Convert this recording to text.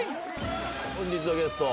本日のゲスト。